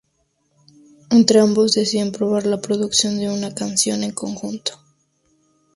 Entre ambos deciden "probar" la producción de una canción en conjunto.